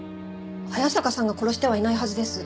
早坂さんが殺してはいないはずです。